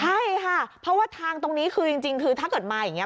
ใช่ค่ะเพราะว่าทางตรงนี้คือจริงคือถ้าเกิดมาอย่างนี้